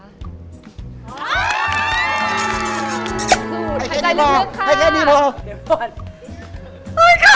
สุดหายใจเลื่อนเลือกค่ะ